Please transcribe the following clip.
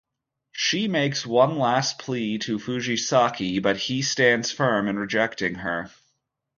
She makes one last plea to Fujisaki but he stands firm in rejecting her.